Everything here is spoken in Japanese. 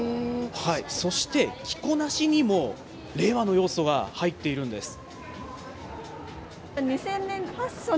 そして、着こなしにも令和の要素が入っているんです。